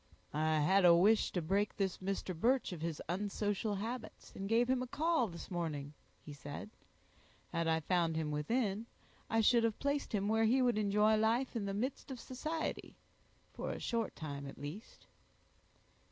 "I had a wish to break this Mr. Birch of his unsocial habits, and gave him a call this morning," he said. "Had I found him within, I should have placed him where he would enjoy life in the midst of society, for a short time at least."